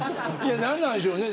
何なんでしょうね。